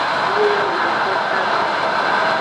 Yo na gbo kaba.